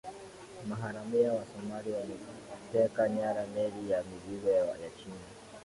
maharamia wa somali wameteka nyara meli ya mizigo ya china